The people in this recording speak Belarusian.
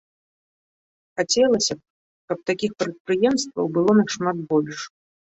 Хацелася б, каб такіх прадпрыемстваў было нашмат больш.